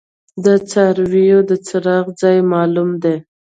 د څارویو د څرائ ځای معلوم دی؟